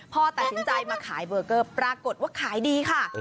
พอตัดสินใจมาขายเบอร์เกอร์ปรากฏว่าขายดีค่ะ